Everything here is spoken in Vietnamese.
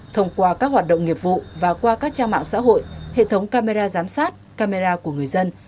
thông qua các hoạt động nghiệp vụ và qua các trang mạng xã hội hệ thống camera giám sát camera của người dân